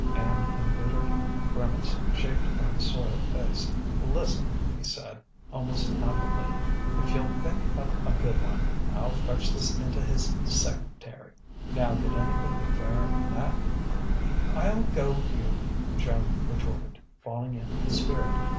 An embittered grimace shaped upon his soiled face. "Lis'n!" he said, almost affably "if yuh'll think up a good one, I'll fetch this inta his sec't'ry. Now cud anythin' be fairer 'n that?" "I'll go you," Joan retorted, falling in with his spirit.